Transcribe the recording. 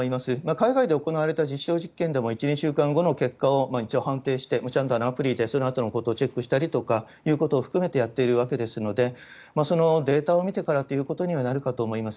海外で行われた実証実験でも１、２週間後の結果を判定して、ちゃんとアプリでそのあとのことをチェックしたりということで含めてやっているわけですので、そのデータを見てからということにはなるかと思います。